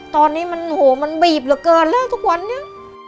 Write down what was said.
ตอนนี้มันโหมันบีบเหลือเกินแล้วทุกวันนี้